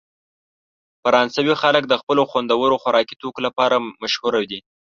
فرانسوي خلک د خپلو خوندورو خوراکي توکو لپاره مشهوره دي.